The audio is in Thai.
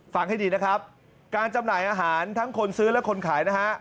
ฟังให้ดีนะครับการจำหน่ายอาหารทั้งคนซื้อและคนขายนะฮะ